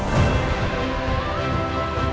saya sudah mencoba